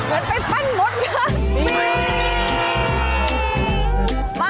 แค่นี้เลย